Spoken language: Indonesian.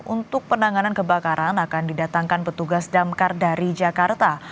untuk penanganan kebakaran akan didatangkan petugas damkar dari jakarta